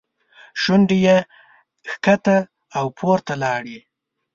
شونډې یې ښکته او پورته لاړې.